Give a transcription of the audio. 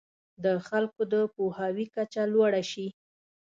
د خلکو د پوهاوي کچه لوړه شي.